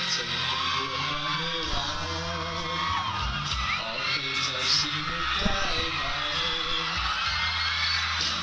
เธอมีกลัวหมาให้ร้องเพราะเคยเจอสีเมืองใกล้ใหม่